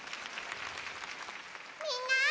みんな！